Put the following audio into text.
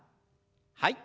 はい。